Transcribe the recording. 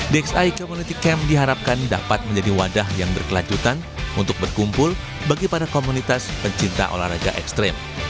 dex i community camp diharapkan dapat menjadi wadah yang berkelanjutan untuk berkumpul bagi para komunitas pencinta olahraga ekstrim